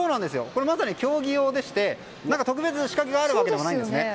これ、まさに競技用でして特別な仕掛けがあるわけではないんですね。